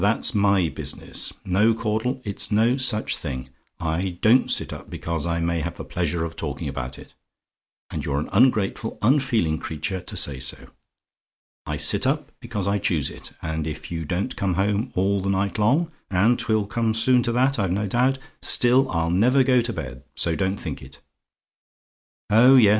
"That's my business. No, Caudle, it's no such thing. I DON'T sit up because I may have the pleasure of talking about it; and you're an ungrateful, unfeeling creature to say so. I sit up because I choose it; and if you don't come home all the night long and 'twill soon come to that, I've no doubt still, I'll never go to bed, so don't think it. "Oh, yes!